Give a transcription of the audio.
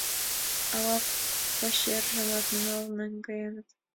Ала пачержымат нумал наҥгаеныт?